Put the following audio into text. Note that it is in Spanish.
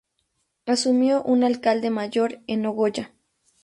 Asumió un alcalde mayor en Nogoyá.